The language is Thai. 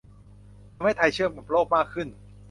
ทำให้ไทยเชื่อมกับโลกมากขึ้น